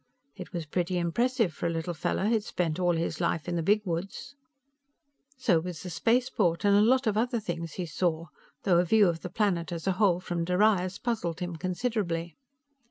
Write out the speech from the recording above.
It was pretty impressive for a little fellow who'd spent all his life in the big woods. So was the spaceport, and a lot of other things he saw, though a view of the planet as a whole from Darius puzzled him considerably.